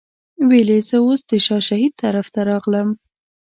ویل یې زه اوس د شاه شهید طرف ته راغلم.